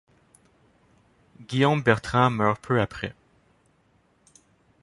Guillaume Bertrand meurt peu après.